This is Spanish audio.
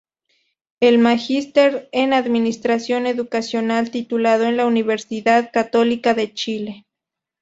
Es magíster en Administración Educacional, titulado en la Universidad Católica de Chile.